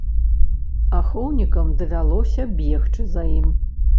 Ахоўнікам давялося бегчы за ім.